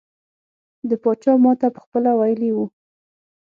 د پاچا ماته پخپله ویلي وو.